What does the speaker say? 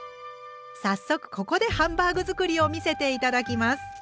早速ここでハンバーグ作りを見せて頂きます。